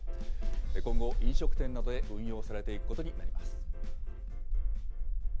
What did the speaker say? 今後、飲食店などで運用されていくことになります。